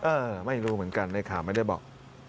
เออไม่รู้เหมือนกันเลยค่ะไม่ได้บอก